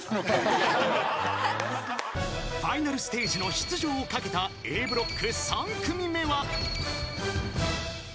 ［ファイナルステージの出場を懸けたＡブロック３組目は］